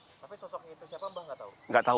tapi sosoknya itu siapa mbah nggak tahu